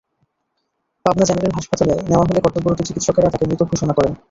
Pabna general হাসপাতালে নেওয়া হলে কর্তব্যরত চিকিৎসকেরা তাঁকে মৃত ঘোষণা করেন।